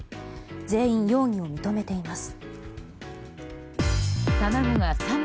全員、容疑を認めています。